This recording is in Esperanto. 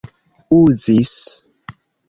uzis